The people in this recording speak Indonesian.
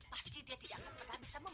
pasti dia tidak akan pernah bisa